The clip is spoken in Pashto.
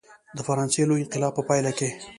د فرانسې لوی انقلاب په پایله کې.